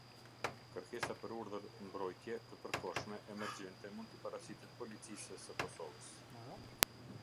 Kërkesa për urdhër mbrojtje të përkohshme emergjente mund t'i paraqitet Policisë së Kosovës.